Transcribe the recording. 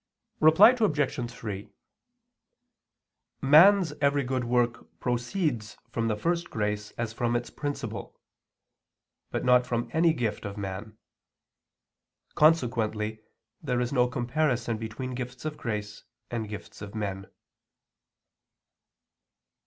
Reply Obj. 3: Man's every good work proceeds from the first grace as from its principle; but not from any gift of man. Consequently, there is no comparison between gifts of grace and gifts of men.